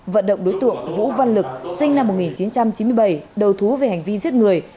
vận động đối tượng vũ văn lực sinh năm một nghìn chín trăm chín mươi bảy đầu thú về hành vi giết người